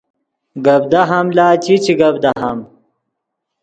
گپ دہام لا چی چے گپ دہام